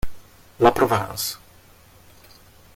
La Provence.